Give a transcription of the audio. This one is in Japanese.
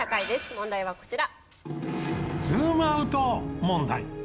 問題はこちら。